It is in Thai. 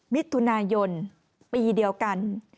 มิถุนายนปีเดียวกัน